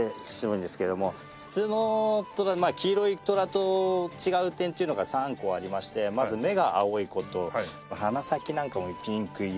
普通のトラ黄色いトラと違う点っていうのが３個ありましてまず目が青い事鼻先なんかもピンク色。